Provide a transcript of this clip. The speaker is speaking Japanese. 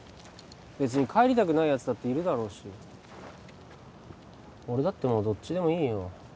別に帰りたくないやつだっているだろうし俺だってもうどっちでもいいよ